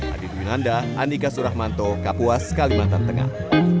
adi dwi nanda andika surahmanto kapuas kalimantan tengah